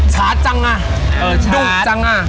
อ๋อชาดจังอะดุจังอะใช่